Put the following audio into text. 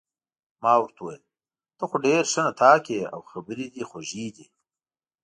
ما ورته وویل: ته خو ډېر ښه نطاق يې، او خبرې دې خوږې دي.